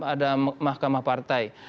ada mahkamah partai